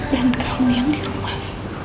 dan kamu yang di rumah